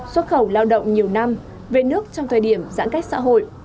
xuất khẩu lao động nhiều năm về nước trong thời điểm giãn cách xã hội